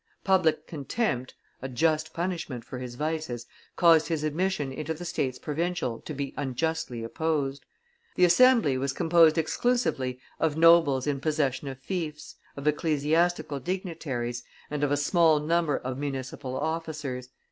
Public contempt, a just punishment for his vices, caused his admission into the states provincial to be unjustly opposed. The assembly was composed exclusively of nobles in possession of fiefs, of ecclesiastical dignitaries, and of a small number of municipal officers.